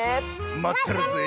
まってるぜぇ。